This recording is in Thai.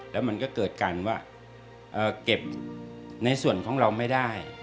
แล้วมันก็เกิดการว่าเก็บในส่วนของเราไม่ได้